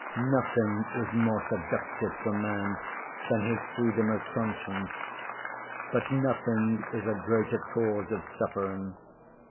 Nothing is more seductive for man than his freedom of conscience, but nothing is a greater cause of suffering.